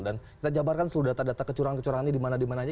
dan kita jabarkan seluruh data data kecurangan kecurangannya dimana dimananya